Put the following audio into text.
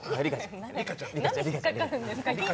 何で引っかかるんですか？